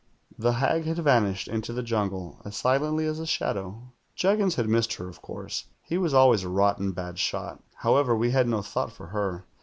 The hag had vanished into the jungle as silently as a shadow. Juggins had missed her, of course. He was always a rotten bad shot. However, we had no thought for her.